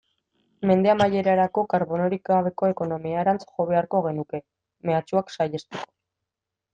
Mende amaierarako karbonorik gabeko ekonomiarantz jo beharko genuke, mehatxua saihesteko.